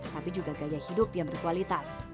tapi juga gaya hidup yang berkualitas